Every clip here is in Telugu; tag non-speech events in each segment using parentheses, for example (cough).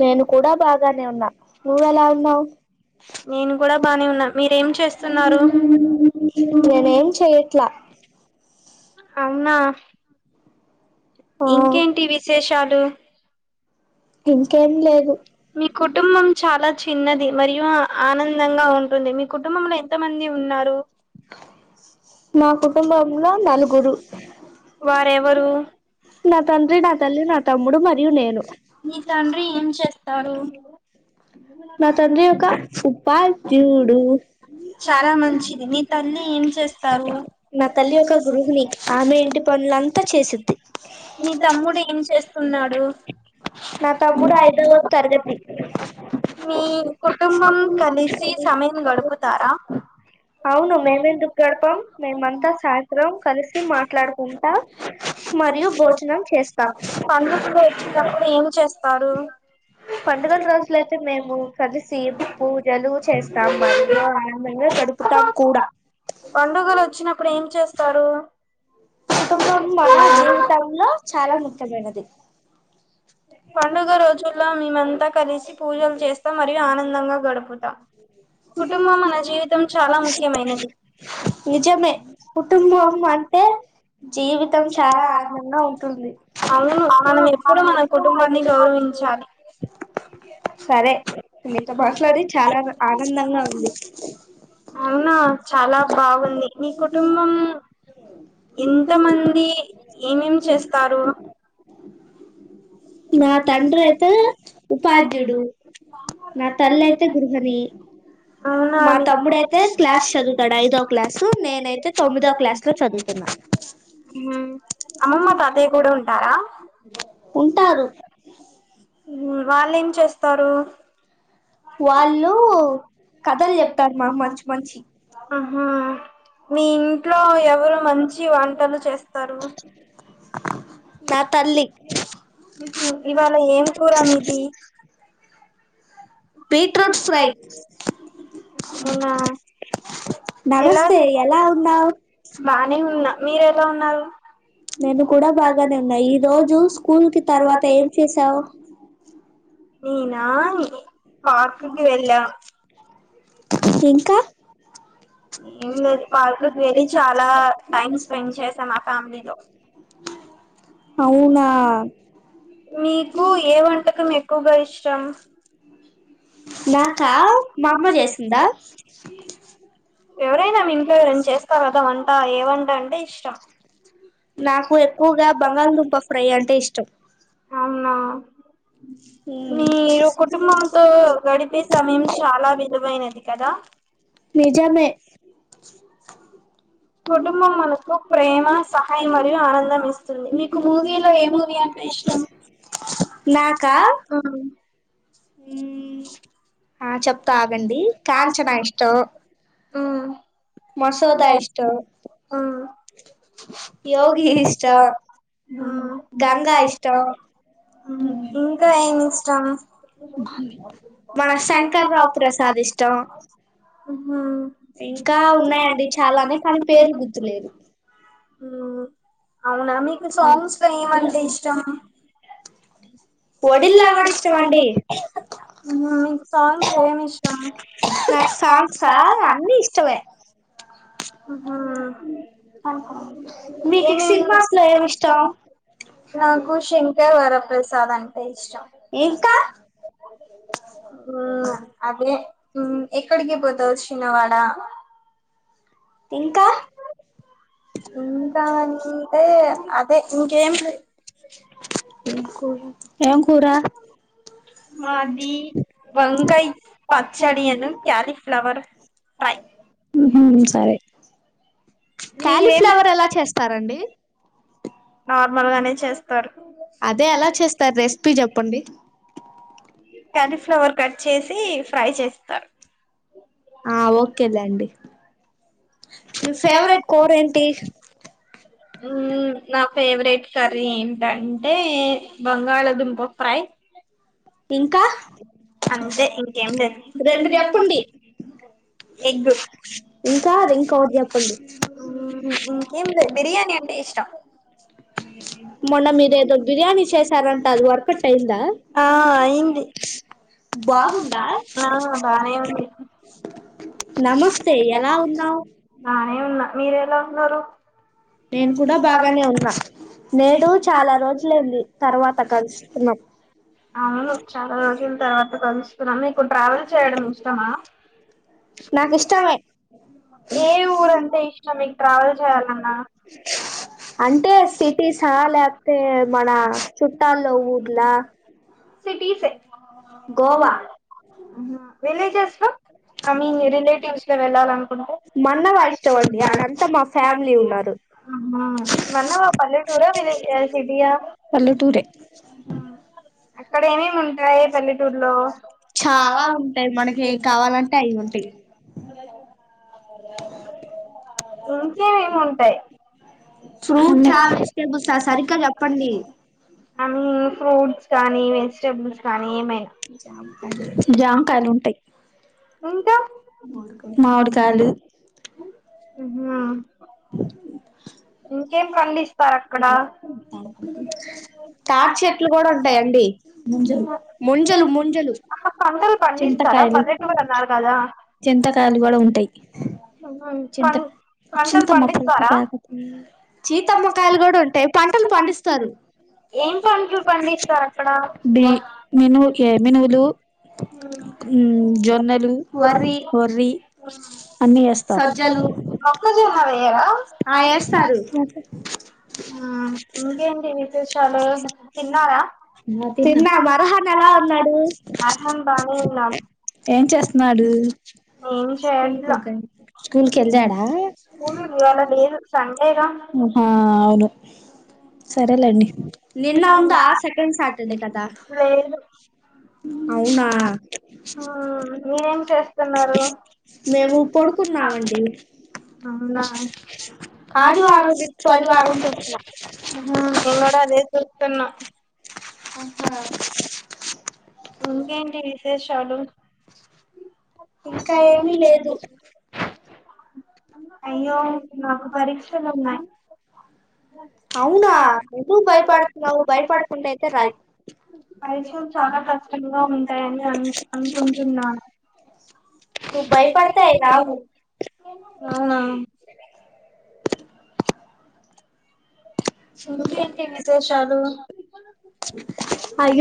నేను కూడా బాగానే ఉన్నా, నువ్వ ఎలా ఉన్నావు నేనేం చెయట్లా ఇంకేంటి విశేషాలు మీ కుటుంబం చాలా చిన్నది. మరియు ఆనందంగా ఉంటుంది. మీ కుటుంబంలో ఎంతమంది ఉన్నారు. నా కుటుంబంలో నలుగురు నా తండ్రి, నా తల్లి నా తమ్ముడు మరియు నేను మీ తండ్రి ఏం చేస్తా డు చాలా మంచిది మీ తల్లి ఏ చేస్తారు. నీ తమ్ముడు ఏం చేస్తున్నాడు. మీ కుటుంబం కలిసి సమయం గడుపుతారా అవును మేమ్ ఎందుకు గడపమ్ మేమంతా సాయంత్రం కలిసి మాట్లాడుకుంటా మరియు భోజనం చేస్తాం. తప్పు ఏమి చేస్తారు (unintelligible) పండుగలు వచ్చినప్పుడు ఏం చేస్తారు. కుటుంబం మన జీవితంలో చాలా ముఖ్యమైనది. పండుగ రోజుల్లో మేమంతా కలిసి పూజల్ చేస్తాం. మరియు ఆనందంగా గ గడుపుతా కుటుంబం మన జీవితం చాలా ముఖ్యమైనది కుటుంబం అంటే జీవితం చాలా ఆనందంగా ఉంటుంది. అవును మనం ఎప్పుడు మన కుటుంబాన్ని గౌరవించాలి. సరే నీతో మాట్లాడి చాలా ఆనందంగా ఉంది. అవునా చాలా బాగుంది. మీ కుటుంబం ఎంతమంది ఏమేమి చేస్తారు. నా తండ్రి అయితే ఉపాధ్యుడు, నా తల్లి అయితే ఆ ఇంకా అప్పుడైతే క్లా చ (unintelligible) అమ్మమ్మ తాతయ్య కూడా ఉంటారా ఉంటారు. వాళ్లేం ఏం చేస్తారు. వాళ్ళు కథలు చెప్తారు. మా మంచి మంచి ఆహ మీ ఇంట్లో ఎవరు మంచి వంటలు చేస్తారు. నా తల్లి బీట్రూట్ ఫ్రై అవునా ఎలా ఎలా ఉన్నావ్ బానే ఉన్నా మీరు ఎలా ఉన్నారు నేను కూడా బాగానే ఉన్నాను ఈ రోజు స్కూల్ కి తరువాత ఏం చేశావు నేనా పార్క్ కి వెళ్ళా ఇంకా ఏం లేదు పార్క్ కి వెళ్ళి చాలా టైమ్ స్పెండ్ చేసా మా ఫ్యామిలీలో అవునా మీకు ఏ వంటకం ఎక్కువగా ఇష్టం నాకా మా అమ్మ చేసిందా ఎవరైనా ఇంట్లో ర చేస్తారు కదా వంట ఏ వంట అంటే ఇష్టం ఎ అవునా ఉమ్ గడిపే సమయం చాలా విలువైనది కదా కుటుంబం మనకు ప్రేమ సహాయం మరియు ఆనందం ఇస్తుంది మీకు మూవీలో ఏ మూవీ అంటే ఇష్టం నా కా చెప్తానండి కాంచనా ఇస్తం మసోదా ఇష్టం యోగిని ఇష్టం గంగా ఇష్టం ఇంకా ఏమి ఇష్టం మన శంకర్ రావు ప్రసాద్ ఇష్టం ఉ ఇంకా ఉన్నాయండి చాలానే కానీ పేర్లు గుర్తులేదు ఉమ్ అవునా మీకు సాంగ్స్ లో ఏమంటే ఇష్టం ఒడిల్లా కూడా ఇష్టమ అండి నా సాంగ్సా అన్ని ఇష్టమే నాకు శంకర్ వర ప్రసాద్ అదే ఇష్టం ఇంకా ఉమ్ అదే ఎక్కడికి పోదవ్ చినవాడా ఇంకా ఇంకా అంటే అదే ఇంకేం ఏం కూరా (unintelligible) ఊహు సరే మీ నార్మల్ గానే చేస్తారు కాలీఫ్లవర్ కట్ చేసి ఫ్రై చేస్త త ఆ ఓకేలేండి మీ ఫేవరెట్ కూర ఏంటి ఉ నా ఫేవరెట్ కర్రీ దంటే బంగాళదుంప ఫ్రై ఇంకా అంతే ఇంకేం లేదు రెండు చెప్పండి ఎగ్ ఇంకా ఉ ఇంకేం లే బిర్యానీ అంటే ఇష్టం మొన్న మీరేదో బిర్యానీ చేసారంట అది వర్కవుట్ అయ్యిందా బాగుందా నమస్తే ఎలా ఉన్నావు బానే ఉన్నా మీరు ఎలా ఉన్నారు నేను కూడా బాగానే ఉన్నా నేడు చాలా రోజులయంది తర్వాత కలుసుకున్నాం అవును చాలా రోజుల తర్వాత కలుస్తున్నాం మీకు ట్రావెల్ చేయడం ఇష్టమా నాకు ఇష్టమే ఏ ఊరు అంటే ఇష్టం మీకు ట్రావెల్ చేయాలన్న అంటే సిటీస లేకపోతే మన చుట్టాల్లో ఊర్లా సిటీసే గోవా విలేజెస్ లో మీ రిలేటివ్స్ లో వెళ్ళాలనుకుంటే మన్నవా (inaudible) పల్లెటూరా సిటీయా (inaudible) అక్కడ ఏమేమి ఉంటాయి పల్లెటూర్లో చాలా ఉంటాయి (unintelligible) ఉంటాయి ఇవి ఉంటాయి ఉంటాయి అవి ఉంటాయి (inaudible) అన్ని ఫ్రూట్స్ కానీ వెజిటబుల్స్ కానీ ఏమైనా ఇంకా మామిడికాయలు ఉహు ఇంకేం పండిస్తారు అక్కడ ద్రాక్ష ఇంకా ఉంటాయిడి ముంజలు ముంజలు చింతకాయలు చింతకాయలు కూడా ఉంటాయి చింత చింతమ్ మా చీతమ్మకాయలు కూడా ఉంటాయి పంటలు పండిస్తారు ఏం పంటలు పండిస్ కడ (inaudible) మొక్కజొన్న వేయరా ఆ ఎస్ తరు ఆ ఇంకేంటి విశేషాలు తిన్నారా ఇవాళ లేదు సండేగా సరేలడి నిన్న ఒంద ఆసక్తి సాటర్డే కదా అవునా మేము పడుకున్నామండి ఆదివారం పదివారం తె ఎంగడ అదే సతన్నా అకా ఇంకా ఏమి లేదు అయ్యో నాకు పరీక్షలు ఉన్నాయి్ అవునా భయపడు భప కలిస చాలా కష్టంగా ఉంటాయని అ అనుకుంటున్నాను భయపడతాయి రావు అవునా కే విశేషాలు అ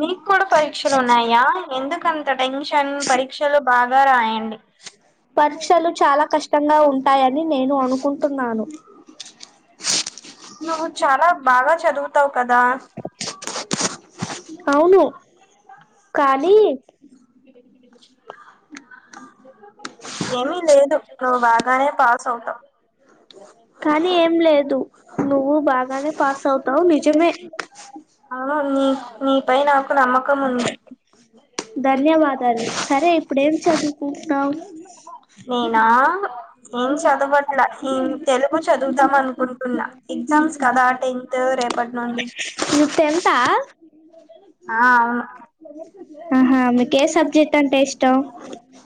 మీకు కూడా పరీక్షలు ఉన్నాయా ఎందుకంత టెన్షన్ పరీక్షలు బాగా రాయండి చ నువ్వు చాలా బాగా చదువుతావు కదా అవును కానీ కానీ ఏం లేదు నువ్వు బాగానే పాస్ అవుతావు నిజమే నీపై నాకు ఒక నమ్మకం ఉంది నేనా ఏం చదవట్లా తెలుగు చదువుదాం అనుకుంటున్నా ఎ్జామ్స్ కదా టెన్త్ రేపటి నుండి ఆ అవును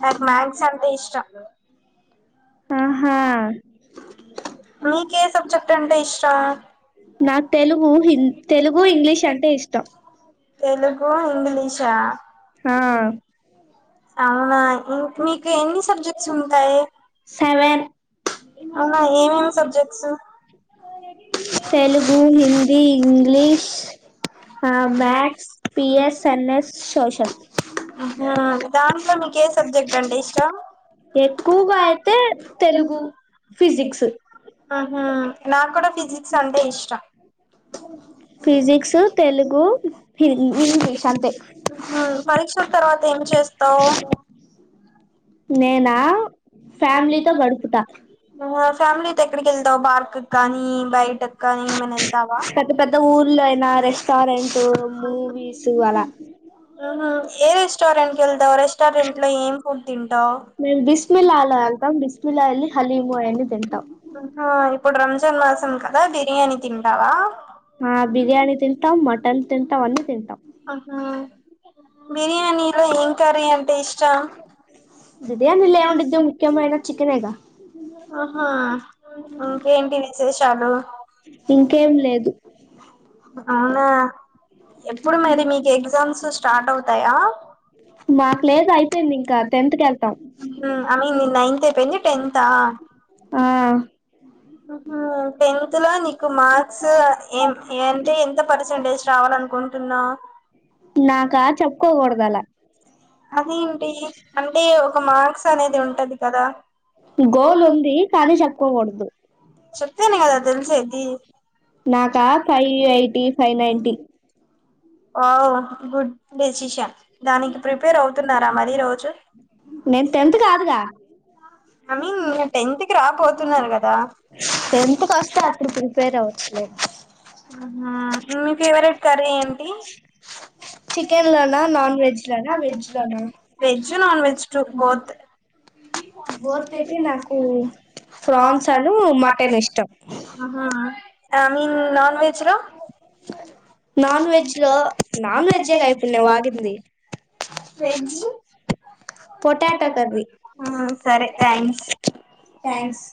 నాకు మథస్ అంతే ఇష్టం మీకే సబ్జెక్ట్ అంటే ఇష్ట తెలుగు ఇంగ్లీషా ఆ అవు అవునా మీకు ఎన్ని సబ్జెక్ట్స్ ఉంటాయి అవునా ఏమేమి సబ్జెక్ట్స్ మ ఎక్కువగా అయితే తెలుగు ఫిజిక్స్ నాకు కూడా ఫిజిక్స్ అంటే ఇష్టం ఫిజిక్స్ క్ష అంతే నేనా ఫ్యామిలీతో గడుపుతా ఫ్యామిలీ అయితే ఎక్కడికి వెళ్తావు బార్క్ కాని బయటకి కాని ఏమైనా వెళ్తావా రెస్టారెంట్ మూవీస్ అలా ఏ రెస్టారెంట్ క దవ రెస్టారెంట్ లో ఏం ఫుడ్ తిండి బష్ ఇప్పుడు రంజాన్ మాసం కదా బిర్యానీ తింటావా ఆ బిర్యానీ తిన్ తింటాం మటన్ తింటాం అన్నీ తింటాం బిర్యానీలో ఏం కర్రీ అంటే ఇష్టం చ హా ఇంకేంటి విశేషాలు ఇంకేం లేదు అవునా ఎప్పుడు మరి మీకు ఎగ్జామ్స్ స్టార్ట్ అవుతాయా మాకు లేదు అయిపోయింది ఇంకా టెన్త్స్ కెల్తం అని నిన్న నిన్త్ అయిపోయింది టెన్ంతా ఆ ఆహా టెన్త్ లో నీకు మార్క్ మార్క్స్ ఏ ఏం అంటే ఎంత పర్సంటేజ్ రావాల అనుకుంటున్నావ్ నాకా చెప్పుకోకూడదలా అదేంటి అంటే ఒక మార్క్స్ అనేది ఉంటది కదా చెప్తేనే కదా తెలుసేది నాకా five eighty five ninety wow good decision దానికి ప్రిపేర్ అవుతున్నారా మర రోజు ఐ మీన్ టెన్త్ క రాతున్నారు కదా మీ ఫేవరెట్ కర్రీ ఏంటి చికెన్ లోనా నాన్ వెజ్ లోనా వె్ లోన్ నాన్ వెజ్జేగా అయిపోయిణ ఆగింది వెజ పొటాట సరే థ్యాంక్స్ ్యాంక్స్